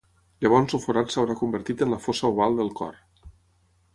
Llavors el forat s'haurà convertit en la fossa oval del cor.